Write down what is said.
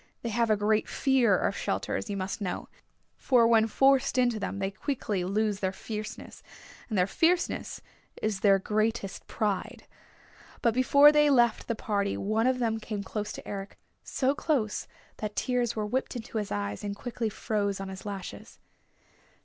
They have a great fear of shelters, you must know, for when forced into them they quickly lose their fierceness, and their fierceness is their greatest pride. But before they left the party one of them came close to Eric, so close that tears were whipped into his eyes and quickly froze on his lashes.